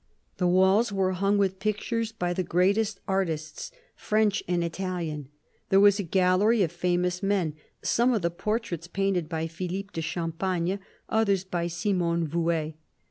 The walls were hung with pictures by the greatest artists, French and Italian ; there was a gallery of famous men, some of the portraits painted by Philippe de Champagne, others by Simon Vouet.